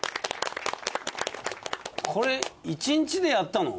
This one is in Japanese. これ１日でやったの？